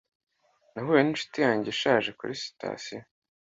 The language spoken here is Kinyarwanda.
nahuye ninshuti yanjye ishaje kuri sitasiyo.